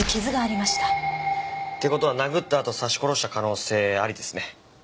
って事は殴ったあと刺し殺した可能性ありですね。